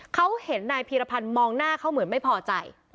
เขาเห็นนายพีรพันธ์มองหน้าเขาเหมือนไม่พอใจ